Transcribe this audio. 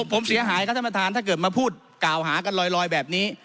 ผมเสียหายครับท่านประธานถ้าเกิดมาพูดกล่าวหากันลอยแบบนี้